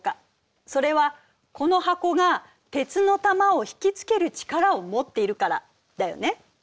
それはこの箱が鉄の球を引き付ける力を持っているからだよね？